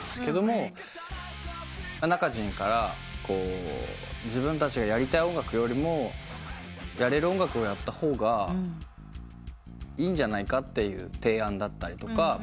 Ｎａｋａｊｉｎから自分たちがやりたい音楽よりもやれる音楽をやった方がいいんじゃないかっていう提案だったりとか。